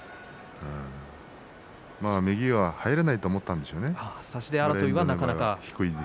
右は入れないと思ったんでしょうね。